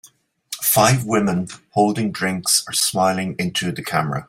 Five women holding drinks are smiling into the camera